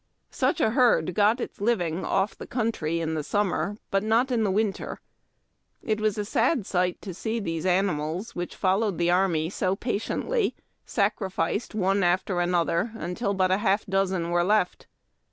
Such a herd got its living off the country in the summer, but not in the winter. It was a sad sight to see these animals, which followed the army so patiently, sacrificed THE LAST STEER. one after the other until but a half dozen were left.